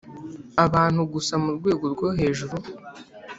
Abantu Gusa Mu Rwego Rwohejuru